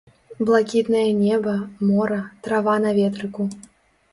Блакітнае неба, мора, трава на ветрыку.